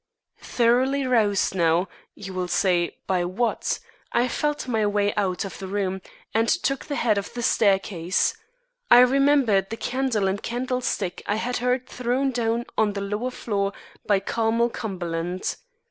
Thoroughly roused now (you will say, by what?) I felt my way out of the room and to the head of the staircase. I remembered the candle and candlestick I had heard thrown down on the lower floor by Carmel Cumberland.